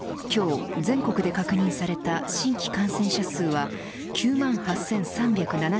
今日全国で確認された新規感染者数は９万８３７０人。